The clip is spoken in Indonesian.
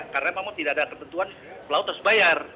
karena mau tidak ada ketentuan pelaut harus bayar